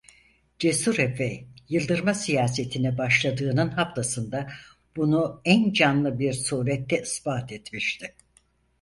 Cesur efe yıldırma siyasetine başladığının haftasında bunu en canlı bir surette ispat etmişti.